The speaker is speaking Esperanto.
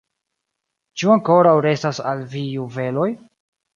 Ĉu ankoraŭ restas al vi juveloj?